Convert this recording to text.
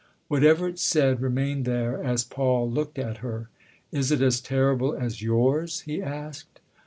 Whatever it said remained there as Paul looked at her. " Is it as terrible as yours ?" he asked.